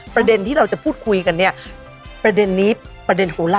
พันเฟรนด์บูปดอกเหมือนที่บ้านเลย